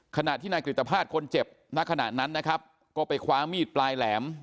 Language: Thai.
ขณะที่นายกฤตภาษณ์คนเจ็บณขณะนั้นนะครับก็ไปคว้ามีดปลายแหลม